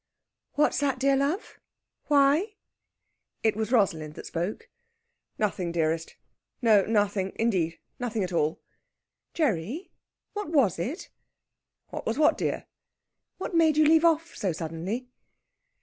"What's that, dear love? Why?..." It was Rosalind that spoke. "Nothing, dearest! No, nothing!... Indeed, nothing at all!" "Gerry, what was it?" "What was what, dear?" "What made you leave off so suddenly?"